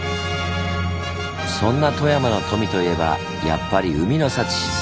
そんな富山の富といえばやっぱり海の幸！